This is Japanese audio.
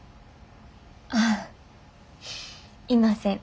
ああいません。